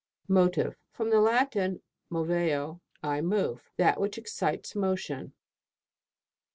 MOTIVE. From the Latin, moveo, I move. That which excites motion.